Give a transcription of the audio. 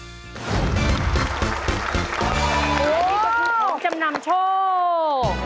นี่ก็คือของจำนำโชค